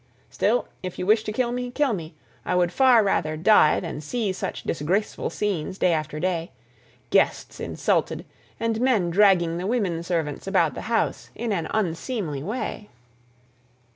Still, if you wish to kill me, kill me; I would far rather die than see such disgraceful scenes day after day—guests insulted, and men dragging the women servants about the house in an unseemly way."